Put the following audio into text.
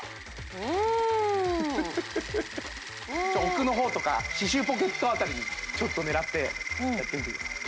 うんフフフフフ奥のほうとか歯周ポケット辺りにちょっと狙ってやってみてください